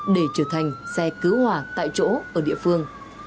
để trở thành xe cứu hỏa tại chỗ ở địa phương